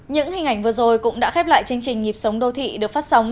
những hình ảnh vừa rồi cũng đã khép lại chương trình nhịp sống đô thị được phát sóng